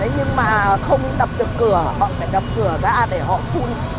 nhưng mà không tập được cửa họ phải đập cửa ra để họ phun